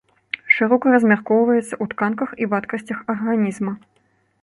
Шырока размяркоўваецца ў тканках і вадкасцях арганізма.